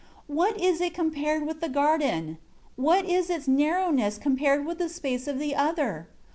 4 What is it compared with the garden? What is its narrowness compared with the space of the other?